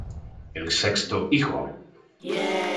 El sexto hijo.